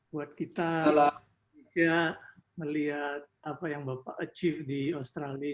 buat kita indonesia melihat apa yang bapak achieve di australia